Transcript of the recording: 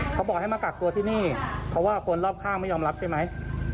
เขาบอกให้มากักตัวที่นี่เพราะว่าคนรอบข้างไม่ยอมรับใช่ไหม